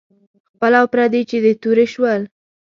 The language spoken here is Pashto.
خپل او پردي چې د تورې شول.